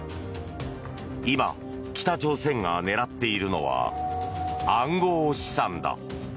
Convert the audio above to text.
今、北朝鮮が狙っているのは暗号資産だ。